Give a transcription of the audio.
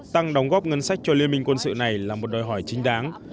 tăng đóng góp ngân sách cho liên minh quân sự này là một đòi hỏi chính đáng